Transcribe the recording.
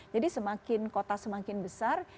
jadi semakin kota semakin besar